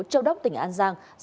châu đốc tỉnh an giang